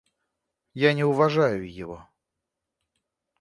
Я не уважаю его.